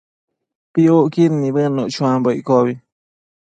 Piucquid nibëdnuc chuambo iccobi